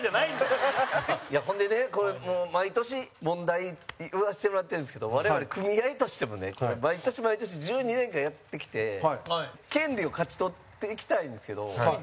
高橋：ほんでね、毎年、問題言わせてもらってるんですけど我々、組合としてもね毎年、毎年、１２年間やってきて権利を勝ち取っていきたいんですけど。